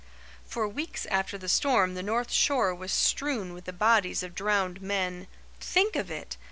For weeks after the storm the north shore was strewn with the bodies of drowned men. Think of it!